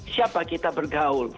siapa kita bergaul